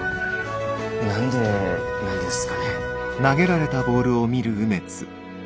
何でなんですかね？